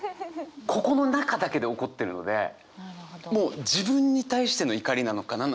ここの中だけで起こってるのでもう自分に対しての怒りなのか。